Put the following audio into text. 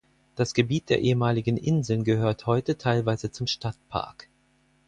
Das Gebiet der ehemaligen Inseln gehört heute teilweise zum Stadtpark.